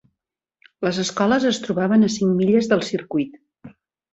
Les escoles es trobaven a cinc milles del circuit.